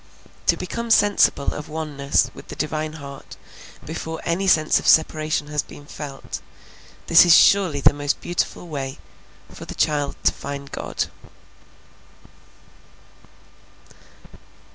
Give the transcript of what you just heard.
To become sensible of oneness with the Divine heart before any sense of separation has been felt, this is surely the most beautiful way for the child to find God.